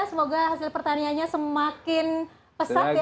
semoga hasil pertaniannya semakin pesat ya